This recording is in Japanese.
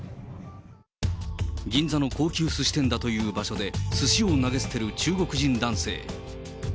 銀座の高級すし店だという場所で、すしを投げ捨てる中国人男性。